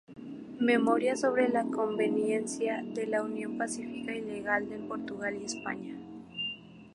Memoria sobre la conveniencia de la unión pacífica y legal de Portugal y España".